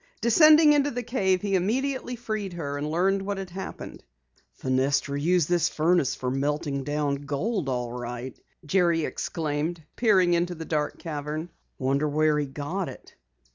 Descending into the cave he immediately freed her and learned what had happened. "Fenestra used this furnace for melting down gold all right!" he exclaimed, peering into the dark cavern. "Wonder where he got it?"